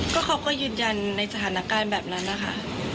ก็เขาก็ยืนยันในสถานการณ์แบบนั้นนะคะ